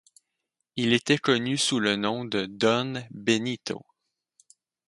Il était connu sous le nom de Don Benito.